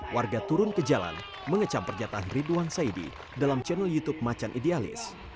warga turun ke jalan mengecam pernyataan ridwan saidi dalam channel youtube macan idealis